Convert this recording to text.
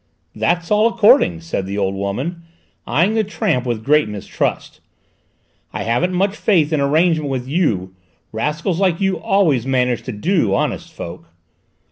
"That's all according," said the old woman, eyeing the tramp with great mistrust; "I haven't much faith in arrangements with you: rascals like you always manage to do honest folk."